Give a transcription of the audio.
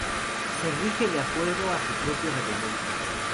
Se rige de acuerdo a su propio reglamento".